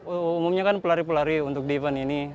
umumnya kan pelari pelari untuk event ini